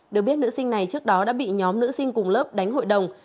được biết nữ sinh này trước đó đã bị nhóm nữ sinh cùng lớp đánh hội đồng